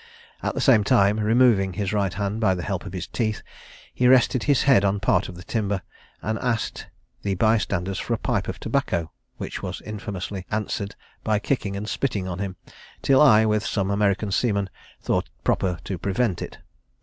At the same time, removing his right hand by the help of his teeth, he rested his head on part of the timber, and asked the by standers for a pipe of tobacco, which was infamously answered by kicking and spitting on him, till I, with some American seamen, thought proper to prevent it.